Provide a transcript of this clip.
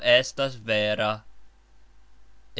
Estas vera, ke...